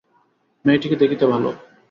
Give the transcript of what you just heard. মেয়েটিকে দেখিতে ভালো।